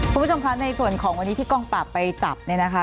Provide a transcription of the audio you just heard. คุณผู้ชมคะในส่วนของวันนี้ที่กองปราบไปจับเนี่ยนะคะ